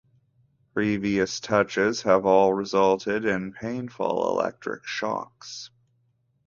Previous touches have all resulted in painful electric shocks.